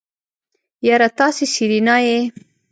يره تاسې سېرېنا يئ.